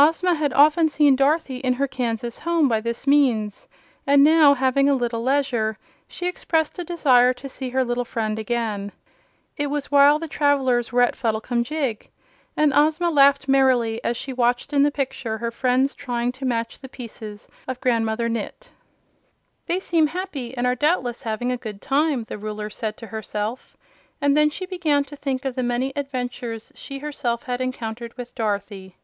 Ozma had often seen Dorothy in her Kansas home by this means, and now, having a little leisure, she expressed a desire to see her little friend again. It was while the travelers were at Fuddlecumjig, and Ozma laughed merrily as she watched in the picture her friends trying to match the pieces of Grandmother Gnit. "They seem happy and are doubtless having a good time," the girl Ruler said to herself; and then she began to think of the many adventures she herself had encountered with Dorothy.